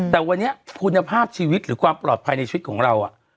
แต่วันนี้คุณภาพชีวิตหรือความปลอดภัยในชีวิตของเรา